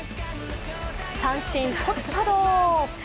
三振、とったど！